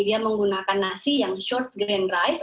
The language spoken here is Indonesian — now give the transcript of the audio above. dia menggunakan nasi yang short grand rice